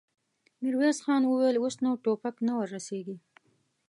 ميرويس خان وويل: اوس نو ټوپک نه ور رسېږي.